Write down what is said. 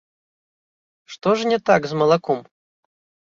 Што ж не так з малаком?